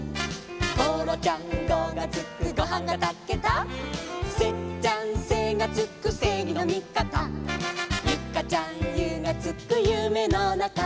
「ごろちゃんごがつくごはんがたけた」「せっちゃんせがつく正義の味方」「ゆかちゃんゆがつく夢の中」